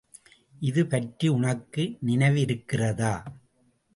இது பற்றி உனக்கு நினைவிருக்கிறதா?